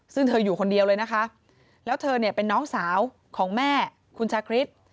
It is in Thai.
ซึ่งเธออยู่คนเดียวเลยนะคะแล้วเธอเนี่ยเป็นน้องสาวของแม่คุณชาคริส